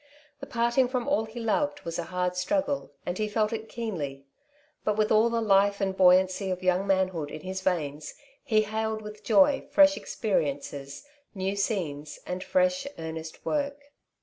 The parting from all he loved was a hard struggle, and he felt it keenly ; but with all the life and buoyancy of young manhood in his veins, he hailed with joy fresh experiences, new scenes, and fresh, earnest work.